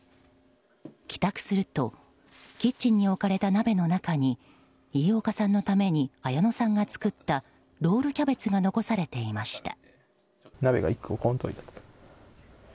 帰宅するとキッチンに置かれた鍋の中に飯岡さんのために綾乃さんが作ったロールキャベツが残されていました。